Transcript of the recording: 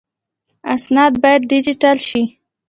اسناد باید ډیجیټل شي